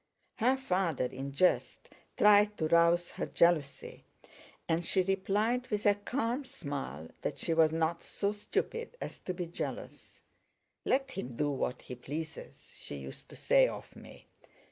Her father in jest tried to rouse her jealousy, and she replied with a calm smile that she was not so stupid as to be jealous: 'Let him do what he pleases,' she used to say of me.